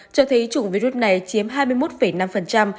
cho thấy chủng virus này chiếm hai mươi một năm